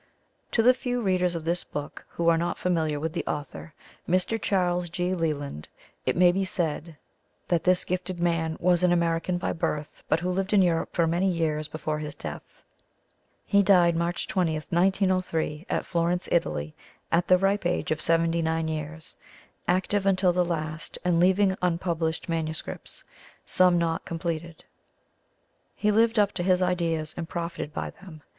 To the few readers of this book who are not familiar with the author, Mr. Charles G. Leland, it may be said that this gifted man was an American by birth, but who lived in Europe for many years before his death. He died March 20, 1903, at Florence, Italy, at the ripe age of 79 years, active until the last and leaving unpublished manuscripts, some not completed. He lived up to his ideas and profited by them.